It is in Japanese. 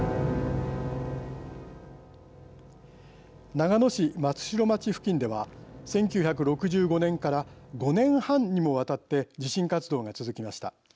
長野市松代町付近では１９６５年から５年半にもわたって地震活動が続きました。